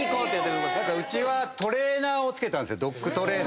うちはトレーナーを付けたんです。